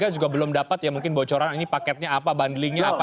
kita juga belum dapat ya mungkin bocoran ini paketnya apa bundlingnya apa